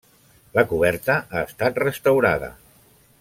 La coberta ha estat restaurada.